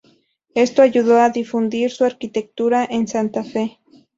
Esto ayudó a difundir su arquitectura en Santa Fe.